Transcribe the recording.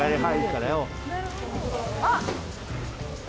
はい。